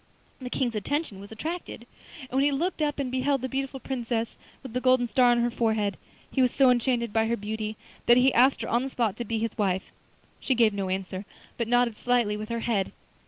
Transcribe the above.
The King's attention was attracted, and when he looked up and beheld the beautiful Princess with the golden star on her forehead, he was so enchanted by her beauty that he asked her on the spot to be his wife. She gave no answer, but nodded slightly with her head.